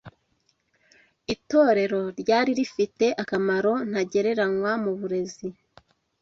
itorero lyali lifite akamaro ntagereranywa mu burezi